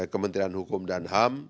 kementerian hukum dan ham